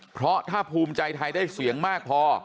เพราะถ้าภูมิใจไทยได้เสียงมากพอ